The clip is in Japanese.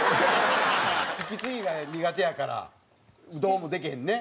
息継ぎが苦手やからどうもできへんね。